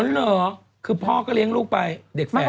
เหรอคือพ่อก็เลี้ยงลูกไปเด็กแฝด